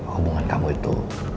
hubungan kamu itu